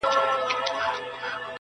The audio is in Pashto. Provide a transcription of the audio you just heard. • هغوی چي وران کړل کلي ښارونه -